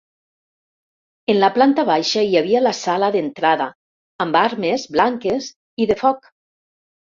En la planta baixa hi havia la sala d'entrada amb armes blanques i de foc.